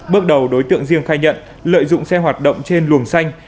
bước đầu đối tượng diêng khai nhận lợi dụng xe hoạt động trên luồng xanh